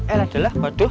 eh adalah waduh